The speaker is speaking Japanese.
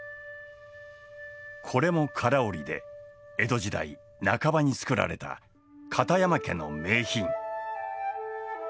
これも唐織で江戸時代半ばに作られた片山家の名品。